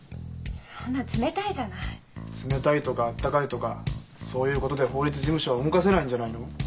冷たいとかあったかいとかそういうことで法律事務所は動かせないんじゃないの？